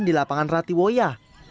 di lapangan rati woya